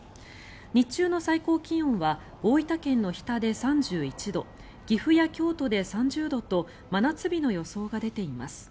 日中の最高気温は大分県の日田で３１度岐阜や京都で３０度と真夏日の予想が出ています。